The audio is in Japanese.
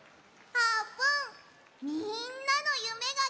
あーぷん！